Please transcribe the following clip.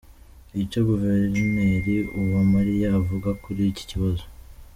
Icyo guverineri Uwamariya avuga kuri iki kibazo.